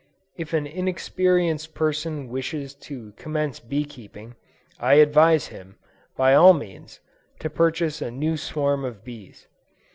If an inexperienced person wishes to commence bee keeping, I advise him, by all means, to purchase a new swarm of bees.